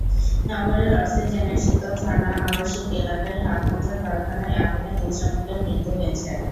নগরের অক্সিজেনের শীতলঝর্ণা আবাসিক এলাকায় হাতমোজা কারখানায় আগুনে দুই শ্রমিকের মৃত্যু হয়েছে।